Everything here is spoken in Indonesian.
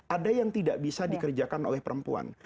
ada yang tidak bisa dikerjakan oleh perempuan